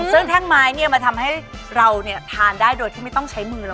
ซึ่งแท่งไม้มันทำให้เราทานได้โดยที่ไม่ต้องใช้มือหรอ